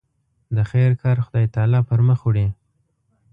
د خیر کار خدای تعالی پر مخ وړي.